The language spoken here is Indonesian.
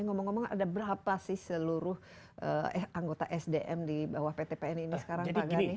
ngomong ngomong ada berapa sih seluruh anggota sdm di bawah pt pn ini sekarang pak gani